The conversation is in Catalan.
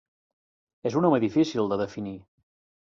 És un home difícil de definir.